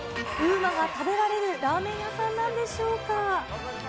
ＵＭＡが食べられるラーメン屋さんなんでしょうか。